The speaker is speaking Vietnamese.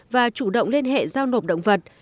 và chủ động liên hệ giao nộp động vật